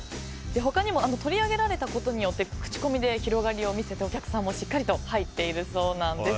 他にも取り上げられたことによって口コミで広がりを見せてお客さんもしっかりと入っているそうなんです。